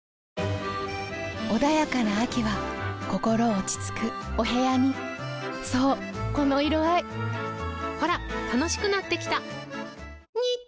穏やかな秋は心落ち着くお部屋にそうこの色合いほら楽しくなってきた！